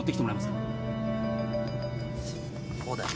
こうだよ。